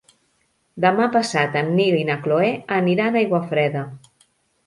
Demà passat en Nil i na Cloè aniran a Aiguafreda.